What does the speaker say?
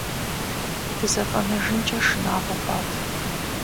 ДызэфӀэнэжынкӀэ шынагъуэ хъуат.